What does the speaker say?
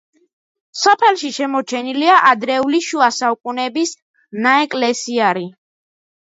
სოფელში შემორჩენილია ადრეული შუა საუკუნეების ნაეკლესიარი.